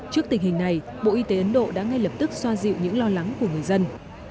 trước tình hình này bộ y tế ấn độ đã ngay lập tức xoa dịu những lo lắng của người dân